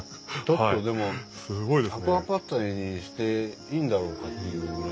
でもアクアパッツァにしていいんだろうかっていうぐらい。